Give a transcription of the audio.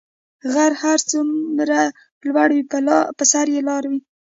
غر څه هر څومره لوړ وی په سر ئي لاره وی